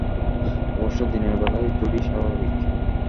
অবশ্য দিনের বেলায় জুডি স্বাভাবিক।